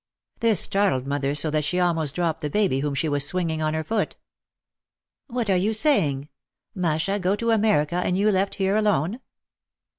This startled mother so that she almost dropped the baby whom she was swinging on her foot. "What are you saying ? Masha go to America and you left here alone